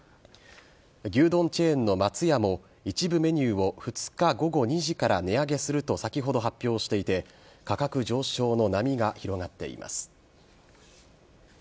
牛丼チェーンの松屋も一部メニューを２日午後２時から値上げすると先ほど、発表していて価格上昇の波が広がっています。